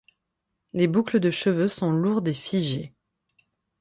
Les boucles de cheveux sont lourdes et figées.